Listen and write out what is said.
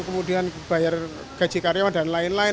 kemudian bayar gaji karyawan dan lain lain